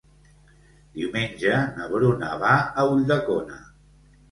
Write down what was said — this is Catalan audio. Diumenge na Bruna va a Ulldecona.